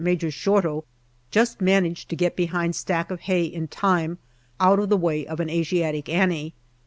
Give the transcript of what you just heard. Major Shorto, just managed to get behind stack of hay in time, out of the way of an " Asiatic Annie."